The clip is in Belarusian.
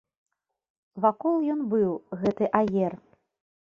Вакол ён быў, гэты аер.